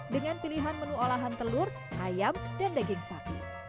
dengan pilihan menu olahan telur ayam dan daging sapi